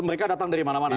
mereka datang dari mana mana